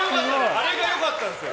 あれが良かったんですよ。